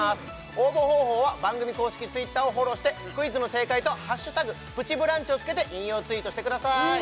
応募方法は番組公式Ｔｗｉｔｔｅｒをフォローしてクイズの正解と「＃プチブランチ」をつけて引用ツイートしてください